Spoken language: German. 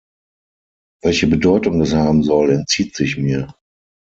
Welche Bedeutung das haben soll, entzieht sich mir.